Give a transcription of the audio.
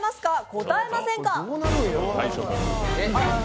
応えませんか？